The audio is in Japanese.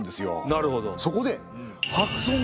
なるほど。